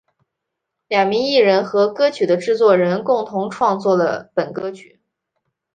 两名艺人和歌曲的制作人共同创作了本歌曲。